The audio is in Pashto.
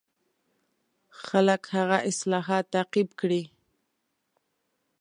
خلک هغه اصلاحات تعقیب کړي.